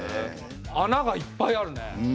穴がいっぱいあるね。